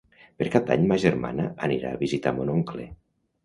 Per Cap d'Any ma germana anirà a visitar mon oncle.